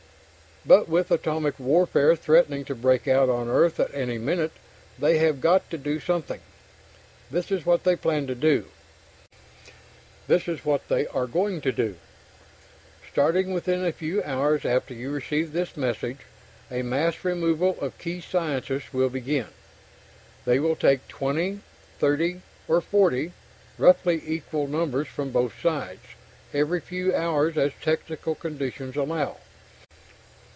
But with atomic warfare threatening to break out on Earth at any minute, they have got to do something. This is what they plan to do this is what they are going to do. Starting within a few hours after you receive this message, a mass removal of key scientists will begin. They will take 20, 30, or 40 roughly equal numbers from both sides every few hours as technical conditions allow.